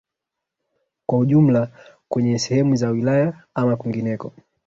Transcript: kwa ujumla kwenye kwenye sehemu za wilaya ama kwingineko